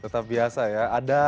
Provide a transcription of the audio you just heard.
tetap biasa ya